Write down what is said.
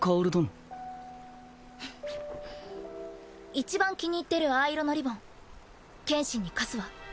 一番気に入ってる藍色のリボン剣心に貸すわ。